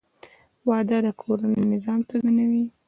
• واده د کورني نظام تنظیم دی.